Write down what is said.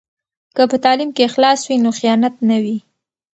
که په تعلیم کې اخلاص وي نو خیانت نه وي.